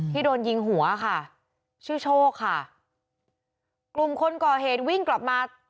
โดนยิงหัวค่ะชื่อโชคค่ะกลุ่มคนก่อเหตุวิ่งกลับมา